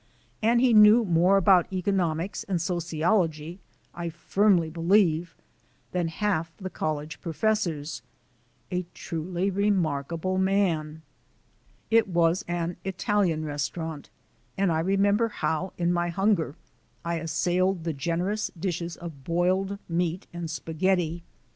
And he knew more about economics and sociology, I firmly believe, than half the college professors. A truly remarkable man. It was an Italian restaurant, and I remember how, in my hunger, I assailed the generous dishes of boiled meat and spaghetti.